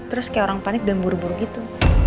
terus kayak orang panik dan buru buru gitu